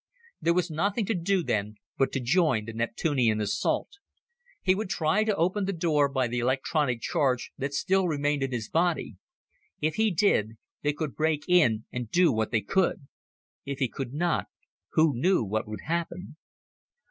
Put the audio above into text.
There was nothing to do then but to join the Neptunian assault. He would try to open the door by the electronic charge that still remained in his body. If he did, they could break in and do what they could. If he could not, who knew what would happen?